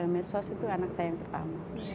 medsos itu anak saya yang pertama